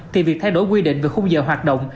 thì việc thay đổi quy định về khung giờ hoạt động